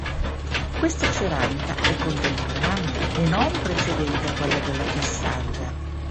Questa ceramica è contemporanea e non precedente a quella della Tessaglia.